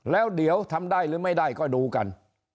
แล้วเดี๋ยวทำได้หรือไม่ได้ก็ดูกัน